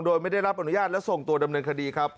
โดยไม่ได้รับอนุญาตและส่งตัวดำเนินคดีครับ